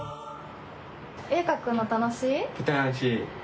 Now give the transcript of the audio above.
絵を描くの楽しい？